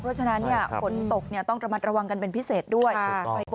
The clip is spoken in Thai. เพราะฉะนั้นฝนตกต้องระมัดระวังกันเป็นพิเศษด้วย